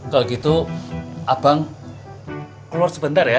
kalau gitu abang keluar sebentar ya